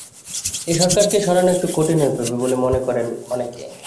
এখন সরকারকে সরানো একটু কঠিন হয়ে পড়বে বলে মনে করেন অনেকে।